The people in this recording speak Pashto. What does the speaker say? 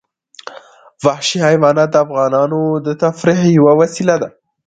وحشي حیوانات د افغانانو د تفریح یوه وسیله ده.